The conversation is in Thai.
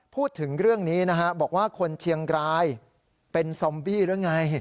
พูดถึงเรื่องนี้นะฮะบอกว่าคนเชียงรายเป็นซอมบี้หรือไง